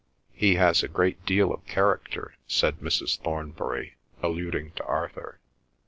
"He has a great deal of character," said Mrs. Thornbury, alluding to Arthur.